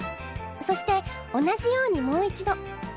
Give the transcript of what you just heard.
そして同じようにもういちど。